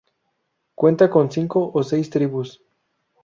Cuenta con cinco o seis tribus.